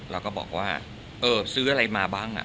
เราก็บอกว่าเออซื้ออะไรมาบ้างอ่ะ